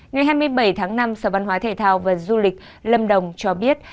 ngày hai mươi bảy tháng năm sở văn hóa thể thao và du lịch lâm đồng cho biết